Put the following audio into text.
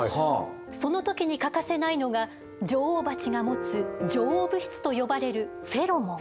その時に欠かせないのが女王蜂が持つ女王物質と呼ばれるフェロモン。